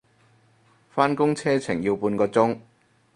返工車程要個半鐘